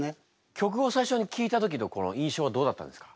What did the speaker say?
曲を最初にきいた時の印象はどうだったんですか？